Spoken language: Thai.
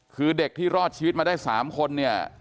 คือเด็กที่รอดชีวิตมาได้๓คนเนี่ย